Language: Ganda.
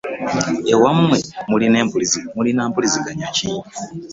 Ewamwe mulina mpuliziganya ki?